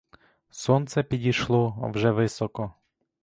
Сонце підійшло вже високо.